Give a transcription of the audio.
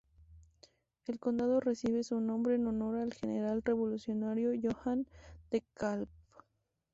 El condado recibe su nombre en honor al general revolucionario Johann DeKalb.